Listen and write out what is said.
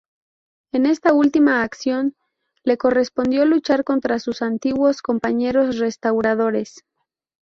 En esta última acción, le correspondió luchar contra sus antiguos compañeros restauradores.